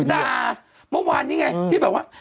ด่าเมื่อวานไงที่บอกว่า